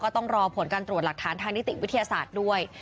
ต้องรอผลการตรวจหลักฐานทางนิติวิทยาศาสตร์ด้วย